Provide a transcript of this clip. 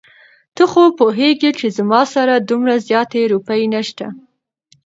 ته خو پوهېږې چې زما سره دومره زياتې روپۍ نشته.